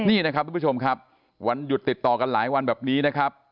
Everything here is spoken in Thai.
นี่นะครับทุกผู้ชมครับวันหยุดติดต่อกันหลายวันแบบนี้นะครับ